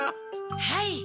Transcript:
はい。